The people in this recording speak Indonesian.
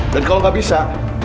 dan kalau nggak bisa